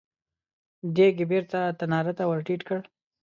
دېګ يې بېرته تناره ته ور ټيټ کړ.